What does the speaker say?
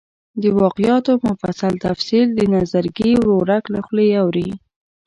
د واقعاتو مفصل تفصیل د نظرګي ورورک له خولې اوري.